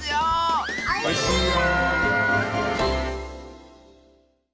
おいしいよ！